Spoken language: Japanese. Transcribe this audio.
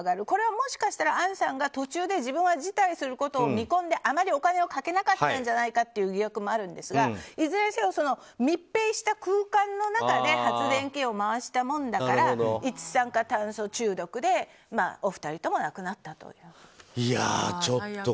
これはもしかしたらアンさんが途中で自分が辞退することを見込んであまりお金をかけなかったんじゃないかという疑惑もあるんですがいずれにせよ密閉した空間の中で発電機を回したものだから一酸化炭素中毒でお二人とも亡くなったと。